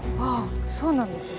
そうなんですね。